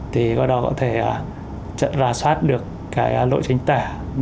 qua đó có thể rà soát được lỗi chính tả